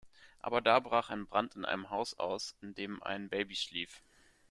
Aber da brach ein Brand in einem Haus aus, in dem ein Baby schlief.